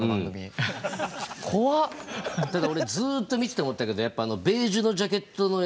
ただ俺ずっと見てて思ったけどキャラね。